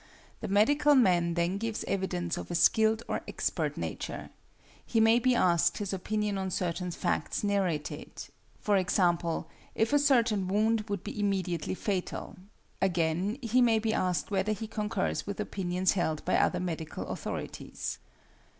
The medical man then gives evidence of a skilled or expert nature. He may be asked his opinion on certain facts narrated e.g., if a certain wound would be immediately fatal. Again, he may be asked whether he concurs with opinions held by other medical authorities.